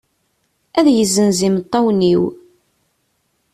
Ad yezzenz imeṭṭawen-iw.